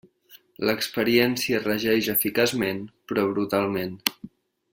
L'experiència regeix eficaçment però brutalment.